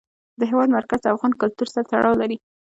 د هېواد مرکز د افغان کلتور سره تړاو لري.